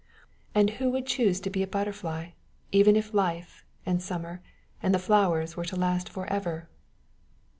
And who would choose to be a butterfly, even if life and summer and the flowers were to last for ever!